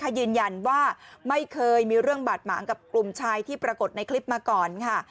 เรียบร้อยแล้วนะคะยืนยันว่าไม่เคยมีเรื่องบาดหมากับกลุ่มชายที่ปรากฏในคลิปมาก่อนค่ะ